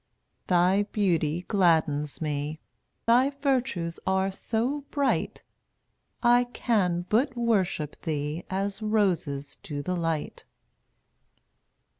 Thy beauty gladdens me; Thy virtues are so bright I can but worship Thee As roses do the light.